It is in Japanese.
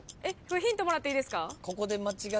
ヒントもらっていいですか？